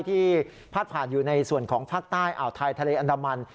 พาดผ่านอยู่ในส่วนของภาคใต้อ่าวไทยทะเลอันดามัน